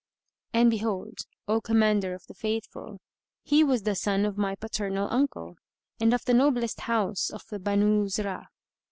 And behold, O Commander of the Faithful, he was the son of my paternal uncle and of the noblest house of the Banú Uzrah.